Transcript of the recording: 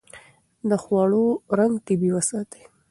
د خوړو رنګ طبيعي وساتئ.